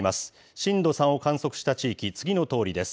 震度３を観測した地域、次のとおりです。